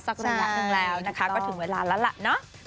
สักระยะตรงแล้วนะคะก็ถึงเวลาแล้วล่ะเนอะใช่ถูกต้อง